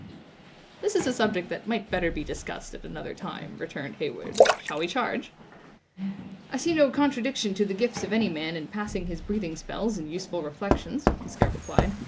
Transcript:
"This is a subject that might better be discussed at another time," returned Heyward; "shall we charge?" "I see no contradiction to the gifts of any man in passing his breathing spells in useful reflections," the scout replied.